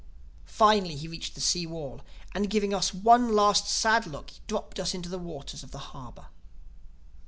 "Finally he reached the sea wall and giving us one last sad look he dropped us into the waters of the harbor.